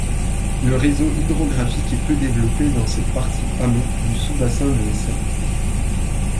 Le réseau hydrographique est peu développé dans cette partie amont du sous-bassin de l'Essonne.